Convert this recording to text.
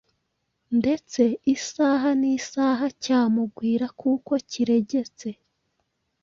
ndetse isaha n’isaha cyamugwira kuko kiregetse